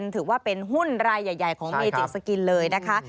ถือว่าเป็นหุ้นรายใหญ่ของเมจิกสกินเลยนะคะ